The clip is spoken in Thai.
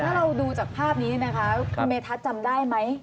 ถ้าเราดูจากภาพนี้นะคะคุณเมทัศน์จำได้ไหม